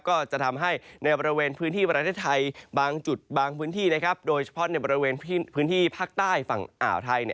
ก็จะทำให้ในบริเวณพื้นที่ประเทศไทยบางจุดบางพื้นที่นะครับโดยเฉพาะในบริเวณพื้นที่ภาคใต้ฝั่งอ่าวไทย